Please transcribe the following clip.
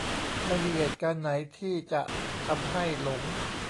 ไม่มีเหตุการณ์ไหนที่จะทำให้หลง